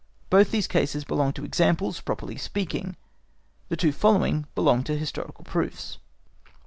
Both these cases belong to examples properly speaking, the two following belong to historical proofs.